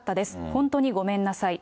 ほんとにごめんなさい。